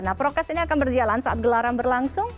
nah prokes ini akan berjalan saat gelaran berlangsung